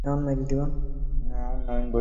আর সাথে ব্যবসার কার্ডও ছাপিয়ে নিবি।